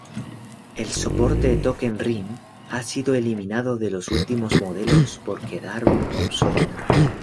El soporte "Token ring" ha sido eliminado de los últimos modelos por quedar obsoleto.